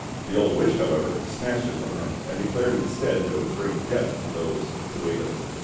The old witch, however, snatched it from her and declared instead that it would bring death to those who ate of it.